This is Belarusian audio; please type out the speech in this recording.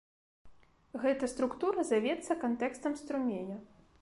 Гэта структура завецца кантэкстам струменя.